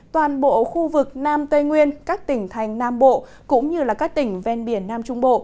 toàn bộ khu vực nam tây nguyên các tỉnh thành nam bộ cũng như các tỉnh ven biển nam trung bộ